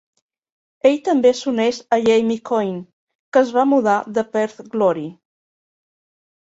Ell també s'uneix a Jamie Coyne que es va mudar de Perth Glory.